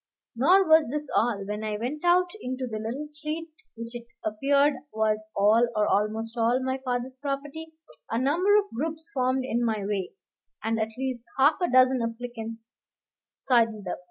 Nor was this all: when I went out into the little street which it appeared was all, or almost all, my father's property, a number of groups formed in my way, and at least half a dozen applicants sidled up.